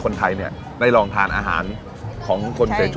คนที่มาทานอย่างเงี้ยควรจะมาทานแบบคนเดียวนะครับ